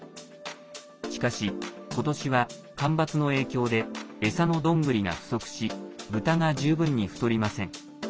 しかし、今年は干ばつの影響で餌のドングリが不足し豚が十分に太りません。